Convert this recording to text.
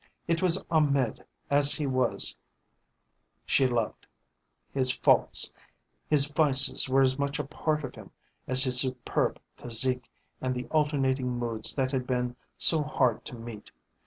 It was Ahmed as he was she loved, his faults, his vices were as much a part of him as his superb physique and the alternating moods that had been so hard to meet.